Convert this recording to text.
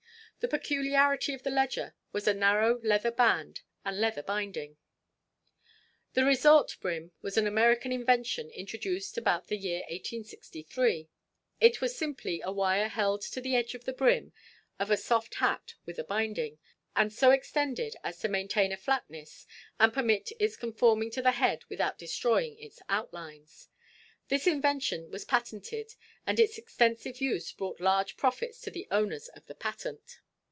The peculiarity of the "Ledger" was a narrow leather band and leather binding. The "resorte" brim was an American invention, introduced about the year 1863; it was simply a wire held to the edge of the brim of a soft hat with a binding, and so extended as to maintain a flatness, and permit its conforming to the head without destroying its outlines. This invention was patented, and its extensive use brought large profits to the owners of the patent.